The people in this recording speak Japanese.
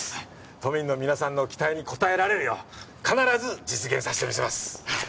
都民の皆さんの期待に応えられるよう必ず実現させてみせます。